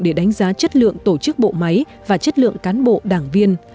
để đánh giá chất lượng tổ chức bộ máy và chất lượng cán bộ đảng viên